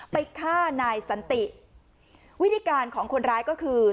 ไปฆ่านายสันติวิธีการของคนร้ายก็คือ